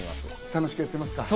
楽しくやってますか？